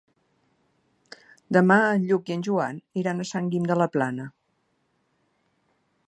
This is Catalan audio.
Demà en Lluc i en Joan iran a Sant Guim de la Plana.